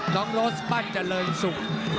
น้องโรสปั้นจะเลยสุข